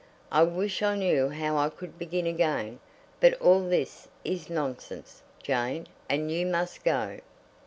"I wish I knew how I could begin again. But all this is nonsense, Jane, and you must go."